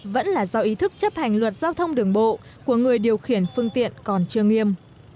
vẫn là do ý thức chấp hành luật giao thông đường bộ của người điều khiển phương tiện còn chưa nghiêm